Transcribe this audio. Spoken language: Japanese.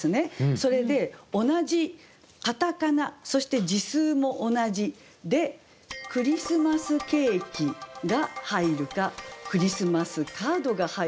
それで同じ片仮名そして字数も同じで「クリスマスケーキ」が入るか「クリスマスカード」が入るか。